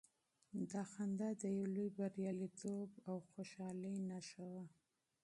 دا خندا د يو لوی برياليتوب او خوښۍ نښه وه.